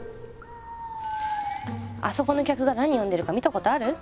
あそこの客が何読んでるか見たことある？